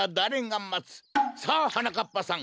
さあはなかっぱさん